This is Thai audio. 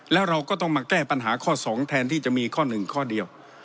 แล้วเราก็ต้องมาแก้ปัญหาข้อ๒แทนที่จะมีข้อหนึ่งข้อเดียว